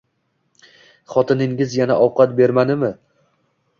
- Xotiningiz yana ovqat bermadimi?